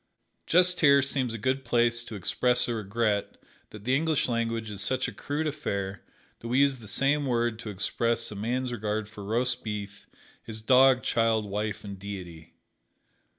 Just here seems a good place to express a regret that the English language is such a crude affair that we use the same word to express a man's regard for roast beef, his dog, child, wife and Deity.